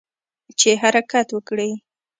چې حرکت وکړي.